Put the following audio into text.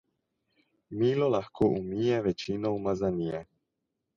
Milo lahko umije večino umazanije.